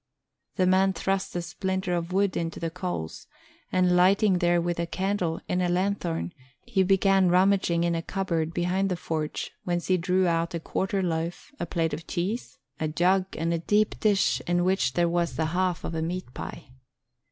The man thrust a splinter of wood into the coals, and lighting therewith a candle in a lanthorn, he began rummaging in a cupboard behind the forge, whence he drew out a quarter loaf, a plate of cheese, a jug, and a deep dish in which there was the half of a meat pie.